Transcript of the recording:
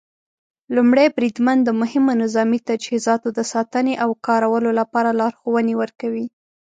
لومړی بریدمن د مهمو نظامي تجهیزاتو د ساتنې او کارولو لپاره لارښوونې ورکوي.